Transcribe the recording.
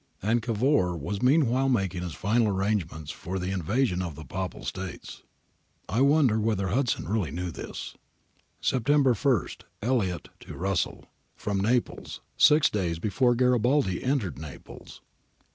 [And Cavour was meanwhile making his final arrangements for the invasion of the Papal States : I wonder whether Hudson really knew this.] September i. Elliot to Russell. From Naples. [Six days before Garibaldi entered Naples.